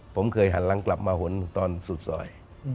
ผมเคยหันหลังกลับมาหนตอนสุดซอย